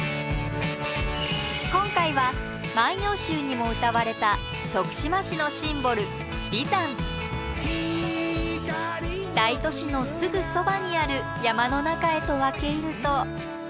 今回は「万葉集」にもうたわれた徳島市のシンボル大都市のすぐそばにある山の中へと分け入ると。